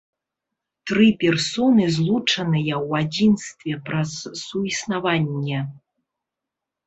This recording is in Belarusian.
Тры персоны злучаныя ў адзінстве праз суіснаванне.